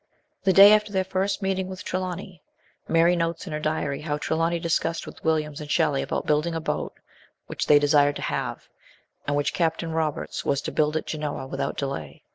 The day after their first meeting with Trelawny, Mary notes in her diary how Trelawny discussed with Williams and Shelley about building a boat which they desired to have, and which Captain Roberts was to build at Genoa without delay.